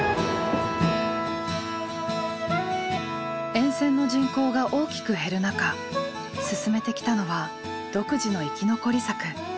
沿線の人口が大きく減る中進めてきたのは独自の生き残り策。